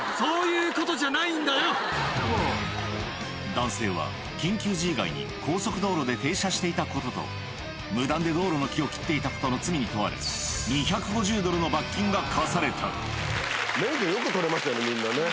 男性は緊急時以外に高速道路で停車していたことと無断で道路の木を切っていたことの罪に問われが科された免許よく取れましたねみんなね。